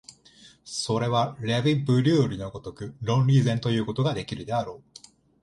それはレヴィ・ブリュールの如く論理以前ということができるであろう。